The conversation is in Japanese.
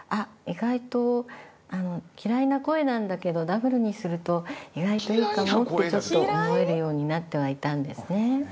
意外と嫌いな声なんだけどダブルにすると意外といいかもってちょっと思えるようになってはいたんですね。